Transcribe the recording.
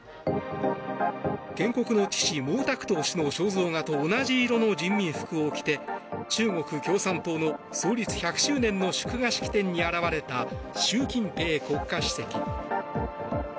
建国の父・毛沢東氏の肖像画と同じ色の人民服を着て中国共産党の創立１００周年の祝賀式典に現れた習近平国家主席。